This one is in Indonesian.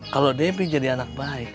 kalau debbie jadi anak baik